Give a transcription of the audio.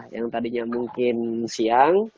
yang tadinya mungkin siang